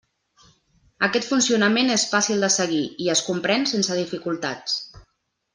Aquest funcionament és fàcil de seguir, i es comprèn sense dificultats.